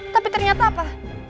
tapi ternyata apa